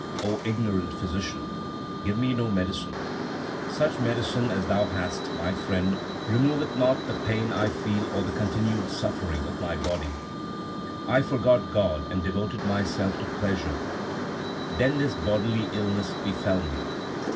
ignorant physician, give me no medicine. Such medicine as thou hast, my friend, removeth not The pain I feel or the continued suffering of my body. 1 forgot God and devoted myself to pleasure ; Then this bodily illness befell me.